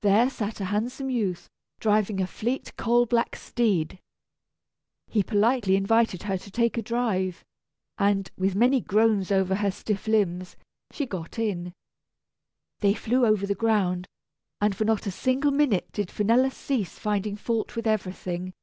There sat a handsome youth, driving a fleet coal black steed. He politely invited her to take a drive, and, with many groans over her stiff limbs, she got in. They flew over the ground, and for not a single minute did Finella cease finding fault with everything.